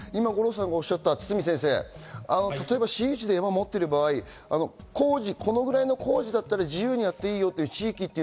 今、五郎さんがおっしゃった私有地で山を持っている場合、このぐらいの工事だったら自由にやっていいよっていう地域っていう